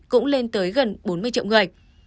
cũng lên tới gần bốn mươi triệu người